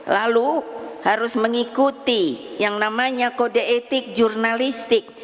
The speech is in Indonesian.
lalu harus mengikuti yang namanya kode etik jurnalistik